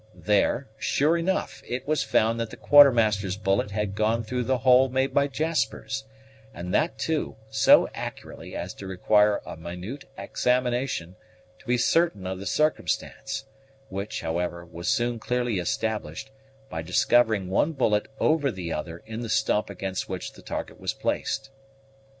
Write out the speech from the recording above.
There, sure enough, it was found that the Quartermaster's bullet had gone through the hole made by Jasper's, and that, too, so accurately as to require a minute examination to be certain of the circumstance; which, however, was soon clearly established, by discovering one bullet over the other in the stump against which the target was placed.